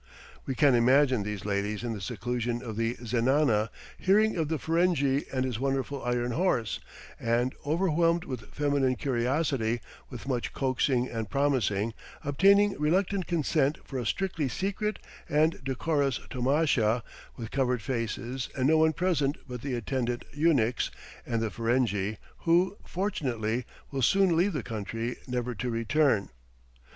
We can imagine these ladies in the seclusion of the zenana hearing of the Ferenghi and his wonderful iron horse, and overwhelmed with feminine curiosity, with much coaxing and promising, obtaining reluctant consent for a strictly secret and decorous tomasha, with covered faces and no one present but the attendant eunuchs and the Ferenghi, who, fortunately, will soon leave the country, never to return.